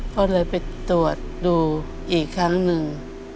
ก็เลยไปตรวจดูอีกครั้งหนึ่ง